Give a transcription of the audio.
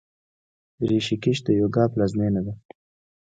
ریشیکیش د یوګا پلازمینه ده.